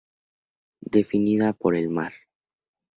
Definida por el mar.